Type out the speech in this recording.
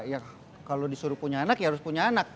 ya kalau disuruh punya anak ya harus punya anak